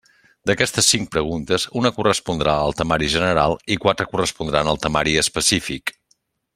D'aquestes cinc preguntes, una correspondrà al temari general i quatre correspondran al temari específic.